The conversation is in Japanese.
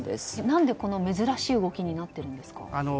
何で珍しい動きになってるんですか？